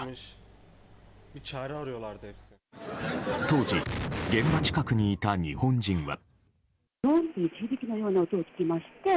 当時、現場近くにいた日本人は。